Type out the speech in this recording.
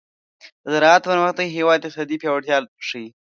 د زراعت پرمختګ د هېواد اقتصادي پیاوړتیا ښيي.